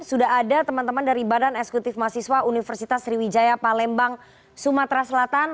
sudah ada teman teman dari badan eksekutif mahasiswa universitas sriwijaya palembang sumatera selatan